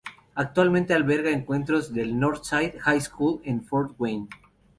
Actualmente alberga encuentros del North Side High School en Fort Wayne.